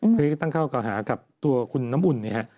คือตั้งข้อกล่าวหากับตัวคุณน้ำอุ่น